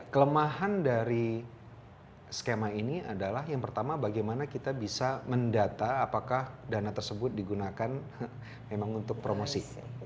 kelemahan dari skema ini adalah yang pertama bagaimana kita bisa mendata apakah dana tersebut digunakan memang untuk promosi